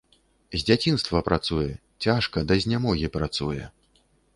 З дзяцінства працуе, цяжка, да знямогі працуе.